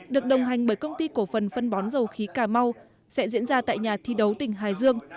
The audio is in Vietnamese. được đồng hành bởi công ty cổ phần phân bón dầu khí cà mau sẽ diễn ra tại nhà thi đấu tỉnh hải dương